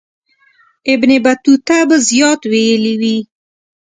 ابن بطوطه به زیات ویلي وي.